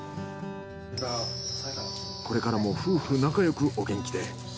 これからも夫婦仲良くお元気で。